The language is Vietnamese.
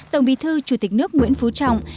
tổng bí thư chủ tịch nước nguyễn phú trọng